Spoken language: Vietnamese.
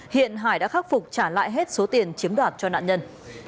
hiện hải đã khắc phục trả lại hết số tiền chiếm đoạt cho nạn nhân